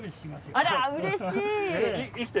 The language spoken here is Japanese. あらうれしい。